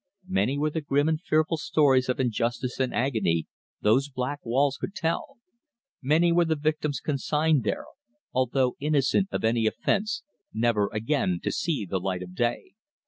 Many were the grim and fearful stories of injustice and agony those black walls could tell; many were the victims consigned there, although innocent of any offence, never again to see the light of day.